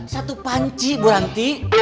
satu panci berhenti